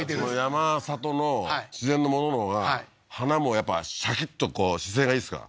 山里の自然のもののほうが花もやっぱシャキッと姿勢がいいですか？